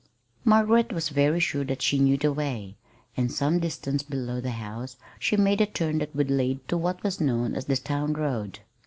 Margaret was very sure that she knew the way, and some distance below the house she made the turn that would lead to what was known as the town road.